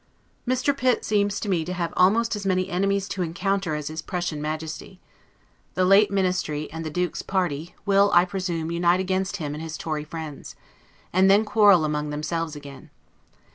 Mr. Pitt seems to me to have almost as many enemies to encounter as his Prussian Majesty. The late Ministry, and the Duke's party, will, I presume, unite against him and his Tory friends; and then quarrel among themselves again.